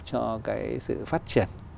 cho cái sự phát triển